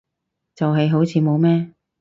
就係好似冇咩